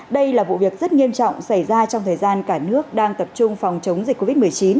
đây là vụ việc rất nghiêm trọng xảy ra trong thời gian cả nước đang tập trung phòng chống dịch covid một mươi chín